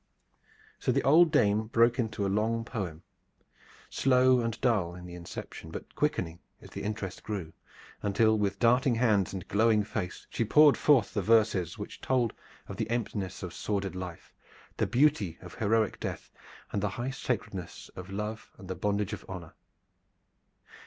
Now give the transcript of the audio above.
So the old dame broke into a long poem, slow and dull in the inception, but quickening as the interest grew, until with darting hands and glowing face she poured forth the verses which told of the emptiness of sordid life, the beauty of heroic death, the high sacredness of love and the bondage of honor.